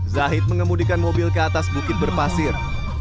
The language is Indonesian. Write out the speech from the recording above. zahid mengemudikan mobil ke atas bukit berpasir